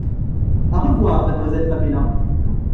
À revoir, mademoiselle Paméla.